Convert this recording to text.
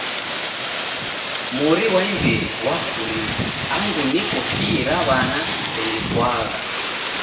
Mori ghwa imbiri ghwakurie angu niko fii ra w'ana rilipwagha